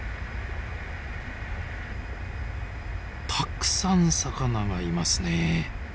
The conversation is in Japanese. たくさん魚がいますね。